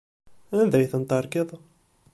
Anda ay ten-terkiḍ?